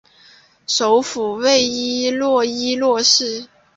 首府为伊洛伊洛市。